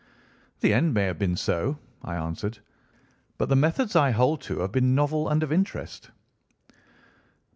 "The end may have been so," I answered, "but the methods I hold to have been novel and of interest."